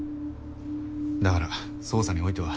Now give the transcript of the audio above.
だから捜査においては。